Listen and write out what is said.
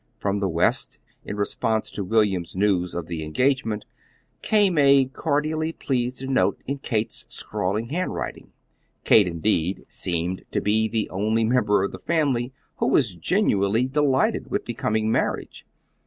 From the West, in response to William's news of the engagement, came a cordially pleased note in Kate's scrawling handwriting. Kate, indeed, seemed to be the only member of the family who was genuinely delighted with the coming marriage.